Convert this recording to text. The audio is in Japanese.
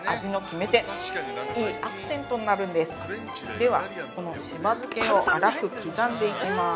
では、この柴漬けを粗く刻んでいきます。